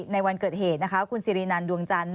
ในวันเกิดเหตุนะคะคุณสิรินันดวงจันทร์